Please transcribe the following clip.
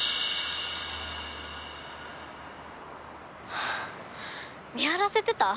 はぁ見張らせてた？